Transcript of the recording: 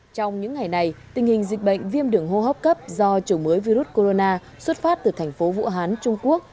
trong những ngày này tình hình dịch bệnh viêm đường hô hấp cấp do chủng mới virus corona xuất phát từ thành phố vũ hán trung quốc